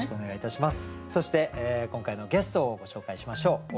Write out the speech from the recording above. そして今回のゲストをご紹介しましょう。